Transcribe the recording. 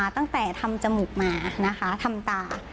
ตั้งแต่ทำจมูกมานะคะทำตา